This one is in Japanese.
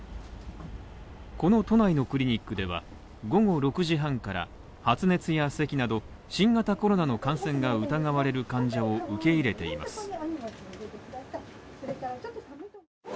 この都内のクリニックでは、午後６時半から発熱や咳など新型コロナの感染が疑われる患者を受け入れています。